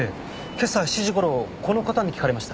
今朝７時頃この方に聞かれました。